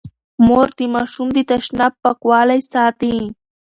مور د ماشوم د تشناب پاکوالی ساتي.